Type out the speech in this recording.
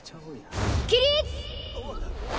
起立！